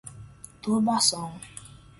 turbação